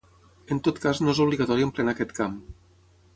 En tot cas no és obligatori emplenar aquest camp.